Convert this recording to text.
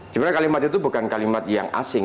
sebenarnya kalimat itu bukan kalimat yang asing